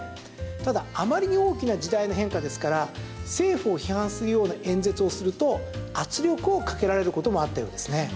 ただ、あまりに大きな時代の変化ですから政府を批判するような演説をすると圧力をかけられることもあったようですね。